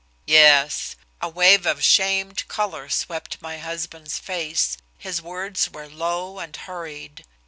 "Yes." A wave of shamed color swept my husband's face, his words were low and hurried.